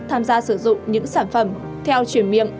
tham gia sử dụng những sản phẩm theo chuyển miệng